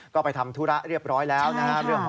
ก็ไปทำธุระเรียบร้อยแล้วนะฮะ